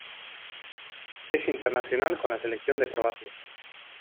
Es internacional con la selección de Croacia.